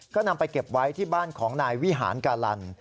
ก็นำไปเก็บไว้ที่บ้านของนายวิหารการัน